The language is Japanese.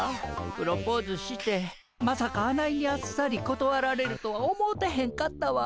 プロポーズしてまさかあないにあっさりことわられるとは思うてへんかったわ。